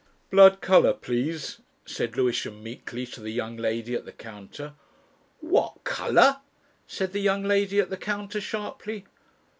"Blood colour, please," said Lewisham meekly to the young lady at the counter. "What colour?" said the young lady at the counter, sharply.